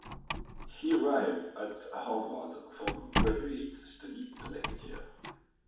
He arrived at Harvard for graduate study the next year.